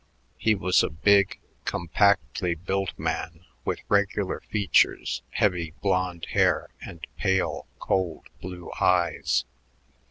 He was a big, compactly built man with regular features, heavy blond hair, and pale, cold blue eyes.